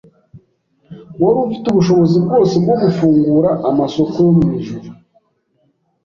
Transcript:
Uwari ufite ubushobozi bwose bwo gufungura amasoko yo mu ijuru